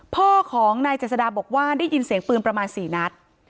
พ่อของนายเจษดาบอกว่าได้ยินเสียงปืนประมาณ๔นัด